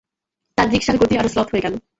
তার রিকশার গতি আরো শ্লথ হয়ে গেল।